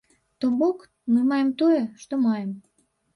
То бок, мы маем тое, што маем.